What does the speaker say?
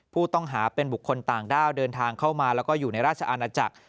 ผู้ต้องหาเป็นบุคคลต่างด้าวเดินทางเข้ามาแล้วก็อยู่ในราชอาณาจักร